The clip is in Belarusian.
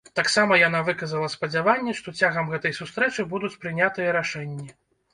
Таксама яна выказала спадзяванне, што цягам гэтай сустрэчы будуць прынятыя рашэнні.